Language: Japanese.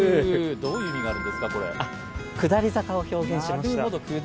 どういう意味があるんですか、これ下り坂を表現しました。